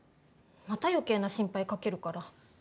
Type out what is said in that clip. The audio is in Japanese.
また余計な心配かけるから。